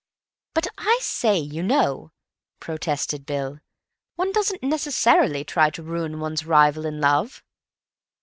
"But, I say, you know," protested Bill, "one doesn't necessarily try to ruin one's rival in love."